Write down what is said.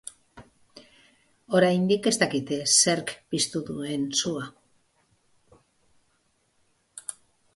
Oraindik ez dakite zerk piztu duen sua.